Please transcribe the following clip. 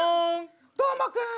どーもくん！